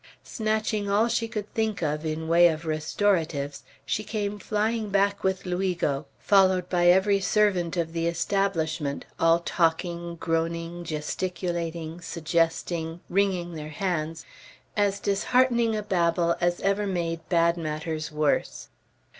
Snatching all she could think of in way of restoratives, she came flying back with Luigo, followed by every servant of the establishment, all talking, groaning, gesticulating, suggesting, wringing their hands, as disheartening a Babel as ever made bad matters worse.